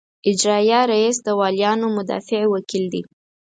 اجرائیه رییس د والیانو مدافع وکیل دی.